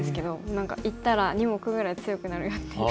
何か行ったら２目ぐらい強くなるよっていう。